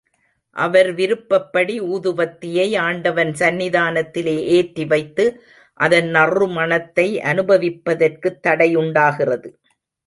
அவர் விருப்பப்படி ஊதுவத்தியை ஆண்டவன் சந்நிதானத்திலே ஏற்றி வைத்து, அதன் நறுமணத்தை அநுபவிப்பதற்குத் தடை உண்டாகிறது.